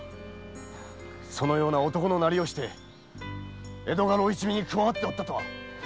そのような男の態をして江戸家老一味に加わっておったとは！